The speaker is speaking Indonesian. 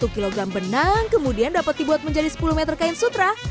satu kg benang kemudian dapat dibuat menjadi sepuluh meter kain sutra